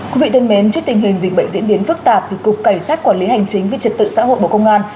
quý vị thân mến trước tình hình dịch bệnh diễn biến phức tạp thì cục cảnh sát quản lý hành chính về trật tự xã hội bộ công an